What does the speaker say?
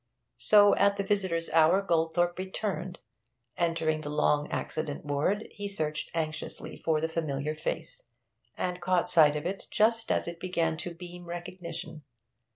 So at the visitors' hour Goldthorpe returned. Entering the long accident ward, he searched anxiously for the familiar face, and caught sight of it just as it began to beam recognition.